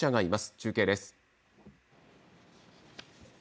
中継です。